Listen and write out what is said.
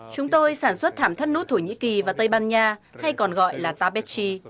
chúng tôi sản xuất thảm thất nút thổ nhĩ kỳ và tây ban nha hay còn gọi là tabetchi